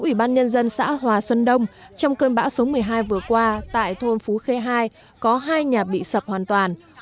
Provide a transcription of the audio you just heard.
ủy ban nhân dân xã hòa xuân đông trong cơn bão số một mươi hai vừa qua tại thôn phú khê hai có hai nhà bị sập hoàn toàn